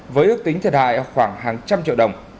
với ước tính thiệt hại khoảng hàng trăm triệu đồng